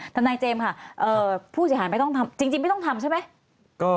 ทนายเจมส์ค่ะผู้เสียหายไม่ต้องทำจริงไม่ต้องทำใช่ไหม